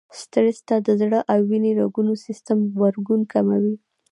سټرس ته د زړه او وينې رګونو سيستم غبرګون کموي.